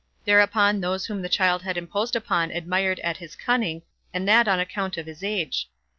Hereupon those whom the child had imposed upon admired at his cunning, and that on account of his age.